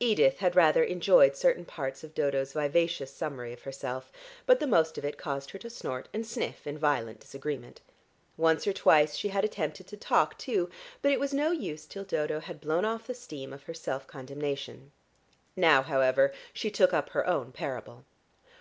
Edith had rather enjoyed certain parts of Dodo's vivacious summary of herself, but the most of it caused her to snort and sniff in violent disagreement. Once or twice she had attempted to talk too, but it was no use till Dodo had blown off the steam of her self condemnation. Now, however, she took up her own parable.